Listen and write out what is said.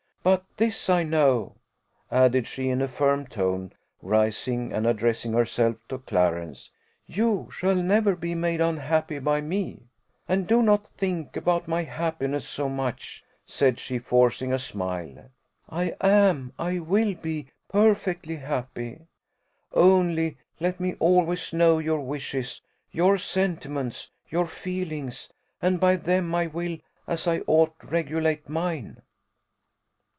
But this I know," added she, in a firm tone, rising, and addressing herself to Clarence, "you shall never be made unhappy by me. And do not think about my happiness so much," said she, forcing a smile; "I am, I will be, perfectly happy. Only let me always know your wishes, your sentiments, your feelings, and by them I will, as I ought, regulate mine."